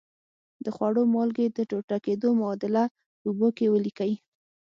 د خوړو مالګې د ټوټه کیدو معادله په اوبو کې ولیکئ.